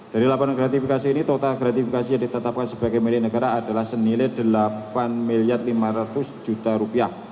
dari laporan gratifikasi ini total gratifikasi yang ditetapkan sebagai milik negara adalah senilai rp delapan lima ratus